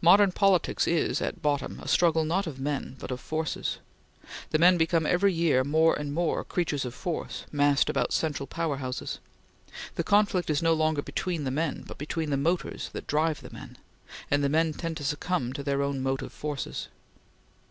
Modern politics is, at bottom, a struggle not of men but of forces. The men become every year more and more creatures of force, massed about central power houses. The conflict is no longer between the men, but between the motors that drive the men, and the men tend to succumb to their own motive forces.